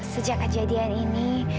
sejak kejadian ini